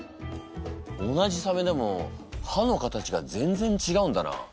同じサメでも歯の形が全然違うんだな。